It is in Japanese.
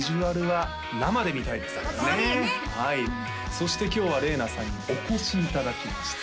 そして今日はれいなさんにお越しいただきました